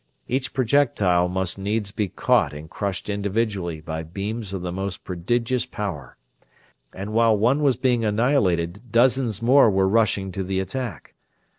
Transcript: Each projectile must needs be caught and crushed individually by beams of the most prodigious power; and while one was being annihilated dozens more were rushing to the attack.